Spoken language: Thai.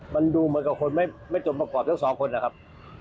มันดูเหมือนกับคนไม่จมประกอบทั้งสองคนนะครับ